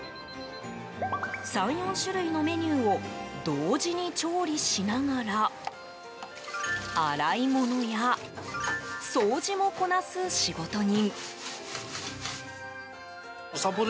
３４種類のメニューを同時に調理しながら洗い物や掃除もこなす仕事人。